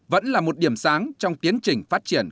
vẫn là một điểm sáng trong tiến trình phát triển